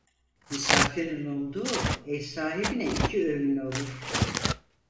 Misafirin umduğu ev sahibine iki övün olur.